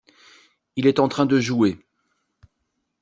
Il est en train de jouer.